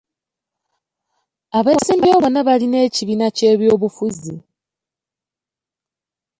Abeesimbyewo bonna balina ekibiina ky'eby'obufuzi.